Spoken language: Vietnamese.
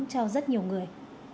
cho rất nhiều người